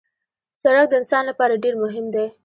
سړک د انسان لپاره ډېر مهم دی.